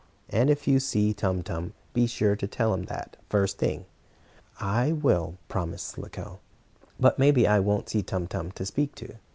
And if you see Tum Tum, be sure to tell him that, the first thing." "I will," promised Slicko, "but maybe I won't see Tum Tum to speak to."